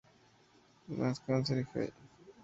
Lancaster, Hi!